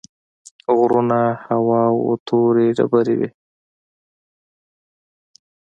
غرونه هوار وو تورې ډبرې وې.